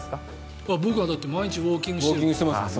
僕は毎日ウォーキングしてますから。